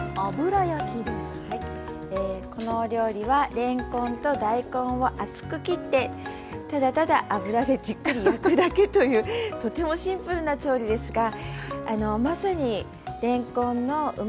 このお料理はれんこんと大根を厚く切ってただただ油でじっくり焼くだけというとてもシンプルな調理ですがあのまさにれんこんのうまみ